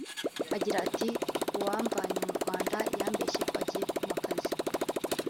agira ati “Uwamvanye mu Rwanda yambeshye ko agiye kumpa akazi